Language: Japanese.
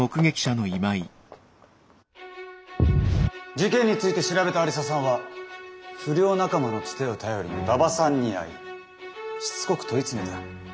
事件について調べた愛理沙さんは不良仲間のツテを頼りに馬場さんに会いしつこく問い詰めた。